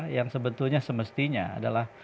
yang sebetulnya semestinya adalah